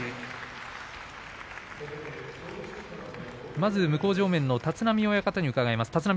まず向正面の立浪親方に伺います。